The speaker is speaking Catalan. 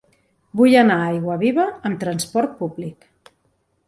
Vull anar a Aiguaviva amb trasport públic.